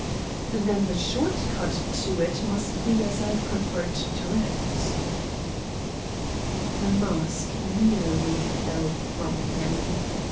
"Then the short cut to it must be as I prefer to direct." The mask nearly fell from him.